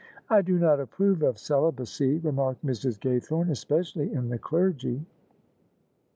" I do not approve of celibacy," remarked Mrs. Gay thome :" especially in the clergy."